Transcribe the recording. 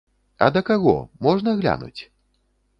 А да каго, можна глянуць?